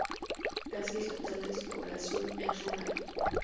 Casi el total de su población es rural.